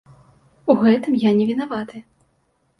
У гэтым я не вінаваты.